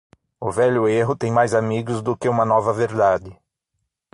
O velho erro tem mais amigos do que uma nova verdade.